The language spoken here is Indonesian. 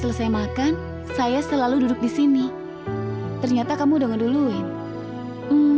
dan ada yang menunggu saya di sini